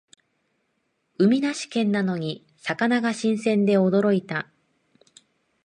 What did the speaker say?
海なし県なのに魚が新鮮で驚いた